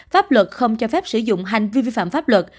pháp luật không cho phép sử dụng hành vi vi phạm pháp luật